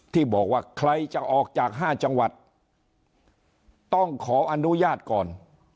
ที่บอกว่าใครจะออกจาก๕จังหวัดต้องขออนุญาตก่อน